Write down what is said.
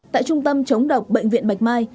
tại trung tâm chống độc bệnh viện bạch mai